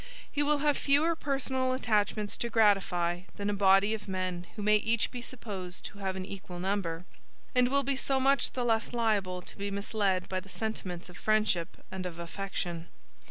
He will have fewer personal attachments to gratify, than a body of men who may each be supposed to have an equal number; and will be so much the less liable to be misled by the sentiments of friendship and of affection.